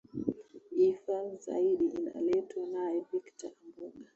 ifa zaidi inaletwa naye victor ambuga